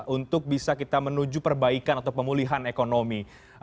untuk bisa kita menuju perbaikan atau pemulihan ekonomi